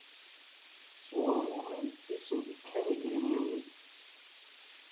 Sɣur wumi i sen-d-kan idrimen-nni?